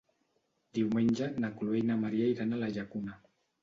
Diumenge na Chloé i na Maria iran a la Llacuna.